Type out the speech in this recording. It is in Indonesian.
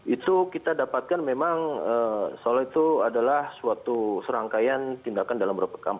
itu kita dapatkan memang soal itu adalah suatu serangkaian tindakan dalam bropekam